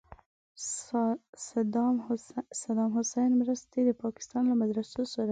صدام حسین مرستې د پاکستان له مدرسو سره وې.